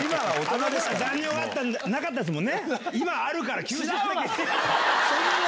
あの頃は残尿がなかったですもんね。